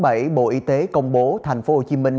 bộ y tế công bố thành phố hồ chí minh